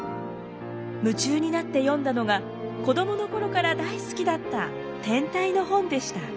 夢中になって読んだのが子供の頃から大好きだった天体の本でした。